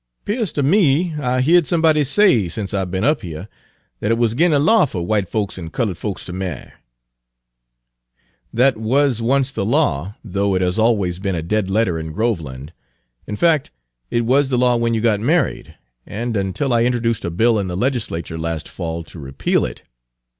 " 'Pears ter me I heared somebody say sence I be'n up heah, dat it wuz 'gin de law fer w'ite folks an' colored folks ter marry." "That was once the law, though it has always been a dead letter in Groveland. In fact, it was the law when you got married, and until I introduced a bill in the legislature last fall to repeal it.